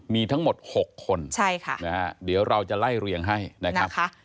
มีทั้งหมด๖คนเดี๋ยวเราจะไล่เรียงให้นะครับ